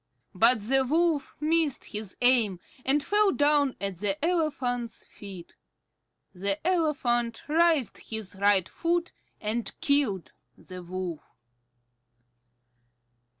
But the Wolf missed his aim, and fell down at the elephant's feet. The elephant raised his right foot and killed the Wolf.